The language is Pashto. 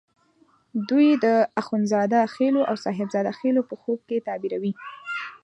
دوی د اخند زاده خېلو او صاحب زاده خېلو په خوب کې تعبیروي.